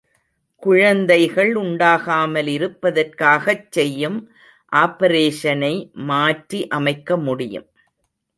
குழந்தைகள் உண்டாகாமலிருப்பதற்காகச் செய்யும் ஆப்பரேஷனை மாற்றி அமைக்கமுடியும்.